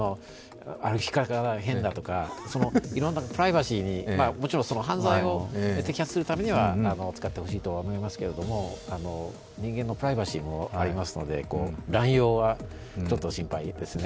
歩き方が変だとか、いろんなプライバシーにもちろん犯罪を摘発するためには使ってほしいとは思いますけれども人間のプライバシーもありますので乱用はちょっと心配ですね。